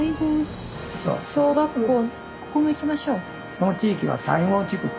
その地域は西郷地区。